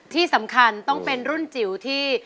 ที่สำคัญต้องเป็นรุ่นจิ๋วที่